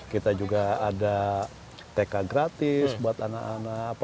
kita juga ada tk gratis buat anak anak